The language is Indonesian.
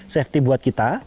safety buat kita